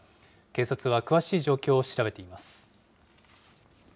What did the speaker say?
警察は詳しい状況を調べています。